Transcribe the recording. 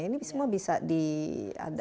ini semua bisa dihitungkan